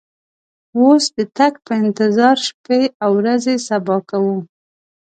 اوس د تګ په انتظار شپې او ورځې صبا کوو.